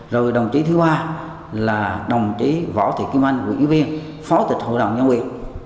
rồi đồng chí thứ ba là đồng chí võ thị kim anh quý viên phó tịch hội đồng nhân quyền